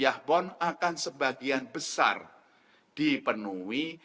akan sebagian besar dipenuhi